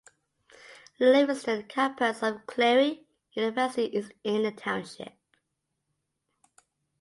The Livingston Campus of Cleary University is in the township.